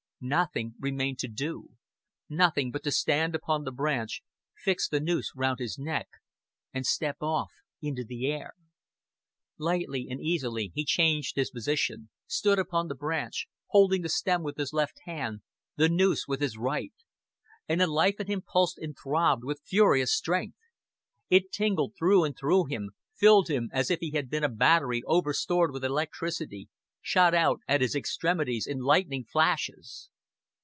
Nothing remained to do, nothing but to stand upon the branch, fix the noose round his neck, and step off into the air. Lightly and easily he changed his position, stood upon the branch, holding the stem with his left hand, the noose with his right; and the life in him pulsed and throbbed with furious strength. It tingled through and through him, filled him as if he had been a battery overstored with electricity, shot out at his extremities in lightning flashes.